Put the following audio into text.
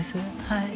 はい